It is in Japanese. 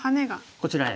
こちらへ。